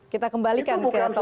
kita kembalikan ke topik kita